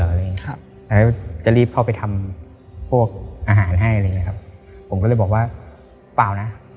แล้วว่าจะรีบเข้าไปทำอาหารให้ชั้นก็เลยคิดว่าคงไม่อยาก